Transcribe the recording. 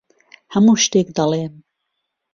هەموو شتێک دەڵێم.